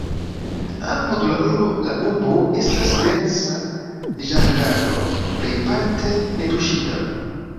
Apud la urbo estas densa ĝangalo, plejparte netuŝita.